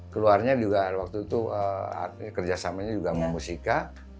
keluarnya juga waktu itu kerjasamanya juga memusika